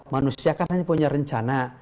manusia kan hanya punya rencana